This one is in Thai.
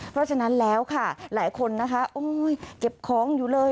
เพราะฉะนั้นแล้วค่ะหลายคนเก็บของอยู่เลย